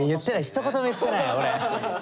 ひと言も言ってない俺。